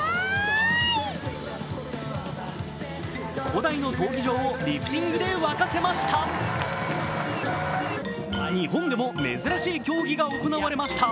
古代の闘技場をリフティングで沸かせました。